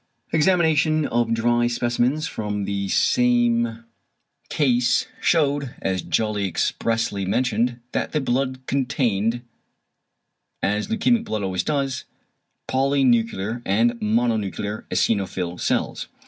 Examination of dry specimens from the same case shewed, as Jolly expressly mentioned, that the blood contained, as leukæmic blood always does, polynuclear and mononuclear eosinophil cells.